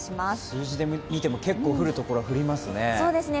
数字で見ても、結構、降るところは降りますね。